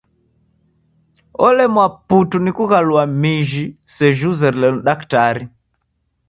Olemwa putu ni kughalua miji seji uzerelo ni daktari.